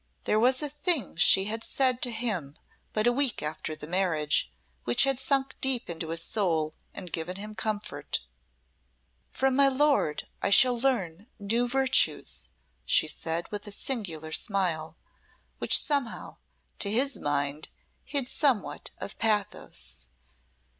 There was a thing she had said to him but a week after the marriage which had sunk deep into his soul and given him comfort. "From my lord I shall learn new virtues," she said, with a singular smile, which somehow to his mind hid somewhat of pathos.